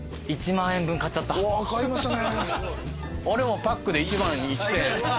うわ買いましたね。